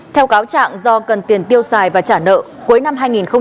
theo cáo trạng do cần tiền tiêu xài và trả nợ cuối năm hai nghìn hai mươi